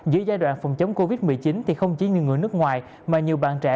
giữa giai đoạn phòng chống covid một mươi chín không chỉ nhiều người nước ngoài mà nhiều bạn trẻ